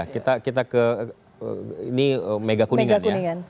kita ke mega kuningan